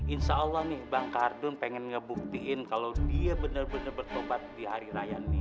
insya allah nih bang kardun pengen ngebuktiin kalo dia bener bener bertobat di hari raya nih